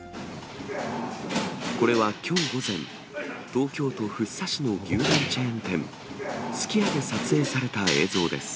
これはきょう午前、東京都福生市の牛丼チェーン店、すき家で撮影された映像です。